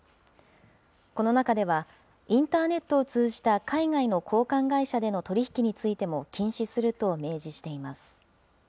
この中では、インターネットを通じた海外の交換会社での取り引きについても禁止すると明示しています。